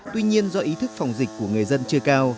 tuy nhiên do ý thức phòng dịch của người dân chưa cao